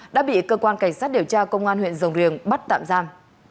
đã bị cơ quan cảnh sát điều tra công an huyện rồng riềng bắt tạm giam